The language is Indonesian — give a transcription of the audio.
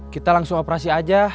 kita langsung operasi aja